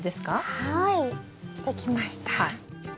はい出来ました。